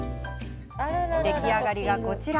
出来上がりが、こちら。